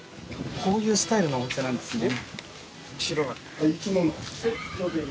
こういうスタイルのお店なんですね。